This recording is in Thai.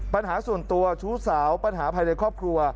ปัญหาส่วนตัวชู้สาวปัญหาภายในครอบครัว